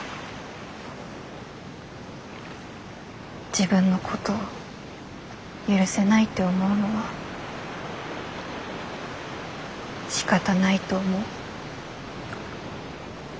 自分のことを許せないって思うのはしかたないと思う。